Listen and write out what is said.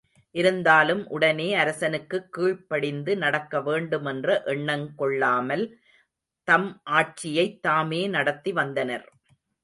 இருந்தாலும் உடனே அரசனுக்குக் கீழ்படிந்து நடக்க வேண்டுமென்ற எண்ணங் கொள்ளாமல், தம் ஆட்சியைத் தாமே நடத்தி வந்தனர்.